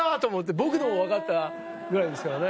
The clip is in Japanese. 僕でも分かったぐらいですからね。